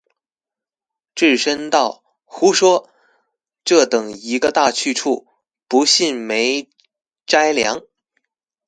智深道：“胡说，这等一个大去处，不信没斋粮。